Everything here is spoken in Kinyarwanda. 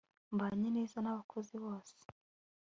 mbanye neza n'abakozi bose